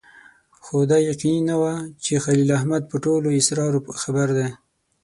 خو دا یقیني نه وه چې خلیل احمد په ټولو اسرارو خبر دی.